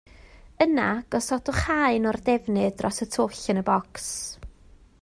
Yna gosodwch haen o'r defnydd dros y twll yn y bocs